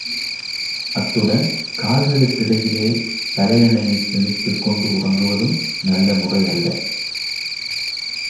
அத்துடன் கால்களுக்கிடையிலே தலையணையைத் திணித்துக் கொண்டு உறங்குவதும் நல்ல முறையல்ல.